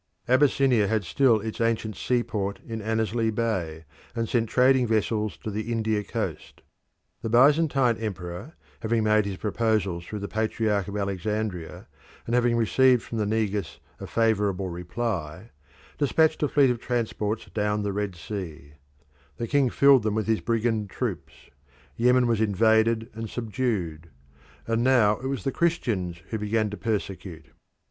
Abyssinia had still its ancient seaport in Annesley Bay, and sent trading vessels to the India coast. The Byzantine emperor, having made his proposals through the Patriarch of Alexandria, and having received from the Negus a favourable reply, dispatched a fleet of transports down the Red Sea; the king filled them with his brigand troops; Yemen was invaded and subdued, and now it was the Christians who began to persecute.